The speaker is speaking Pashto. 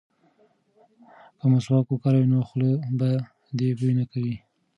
که مسواک وکاروې نو خوله به دې بوی نه کوي.